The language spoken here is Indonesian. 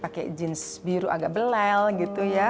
pakai jeans biru agak belel gitu ya